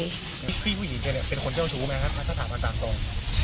พี่ผู้หญิงแกเนี่ยเป็นคนเจ้าชู้ไหมครับถ้าถามมาตามตรง